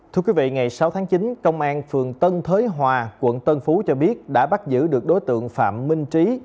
thưa quý vị ngày sáu tháng chín công an phường tân thới hòa quận tân phú cho biết đã bắt giữ được đối tượng phạm minh trí